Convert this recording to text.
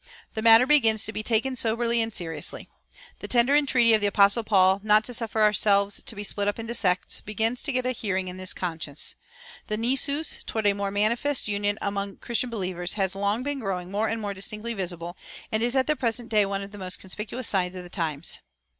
The matter begins to be taken soberly and seriously. The tender entreaty of the Apostle Paul not to suffer ourselves to be split up into sects[405:2] begins to get a hearing in the conscience. The nisus toward a more manifest union among Christian believers has long been growing more and more distinctly visible, and is at the present day one of the most conspicuous signs of the times.